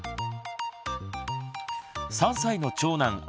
３歳の長男あ